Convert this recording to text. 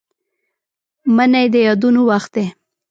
منی د یادونو وخت دی